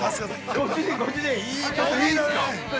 ご主人ご主人、ちょっといいすか。